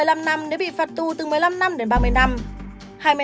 một mươi năm năm nếu bị phạt tù từ một mươi năm năm đến ba mươi năm